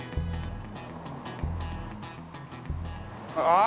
ああ！